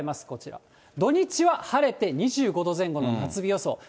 土日は晴れて２５度前後の夏日予想。